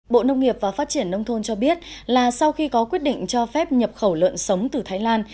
bộ nông nghiệp và phát triển nông thôn cho biết là sau khi có quyết định cho phép nhập khẩu lợn sống từ thái lan